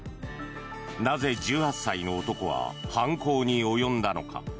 なぜ、１８歳の男は犯行に及んだのか。